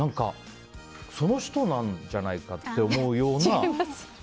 その人なんじゃないかって思うような。